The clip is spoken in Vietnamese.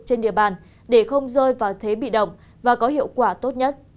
trên địa bàn để không rơi vào thế bị động và có hiệu quả tốt nhất